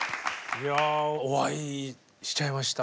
いやお会いしちゃいました。